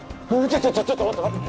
ちょちょちょっと待って待って。